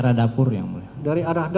aku sampai comeng bandara bentuknya